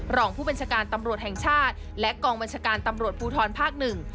รองผู้บัญชาการตำรวจแห่งชาติและกองบัญชาการตำรวจภูทรภาคหนึ่ง